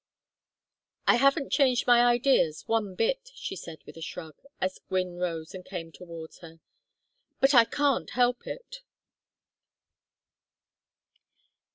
"I haven't changed my ideas one bit," she said, with a shrug, as Gwynne rose and came towards her. "But I can't help it!"